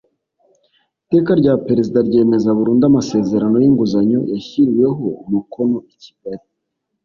iteka rya perezida ryemeza burundu amasezerano y inguzanyo yashyiriweho umukono i kigali